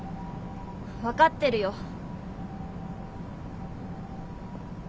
分かってるよ。